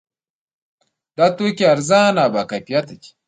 دا توکي ارزانه او باکیفیته دي.